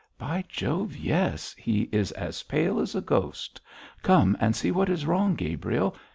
'By Jove, yes! He is as pale as a ghost. Come and see what is wrong, Gabriel.